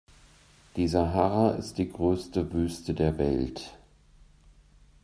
Die Sahara ist die größte Wüste der Welt.